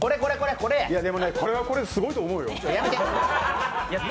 でもね、これはこれですごいと思うよ。